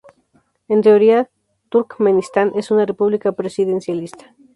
En teoría, Turkmenistán es una república presidencialista.